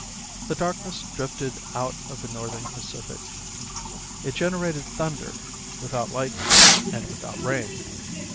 The darkness drifted out of the northern Pacific. It generated thunder without lightning and without rain.